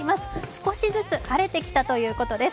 少しずつ晴れてきたということです。